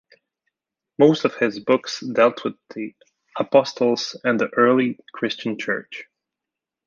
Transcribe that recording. Most of his books dealt with the Apostles and the early Christian church.